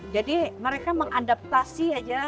jadi mereka mengadaptasi aja